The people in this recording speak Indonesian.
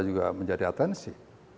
juga menjadi atensi